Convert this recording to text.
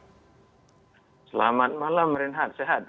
selamat malam renhat